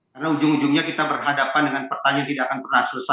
karena ujung ujungnya kita berhadapan dengan pertanyaan yang tidak akan pernah selesai